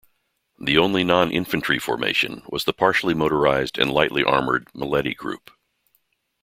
The only non-infantry formation was the partially motorised and lightly armoured Maletti Group.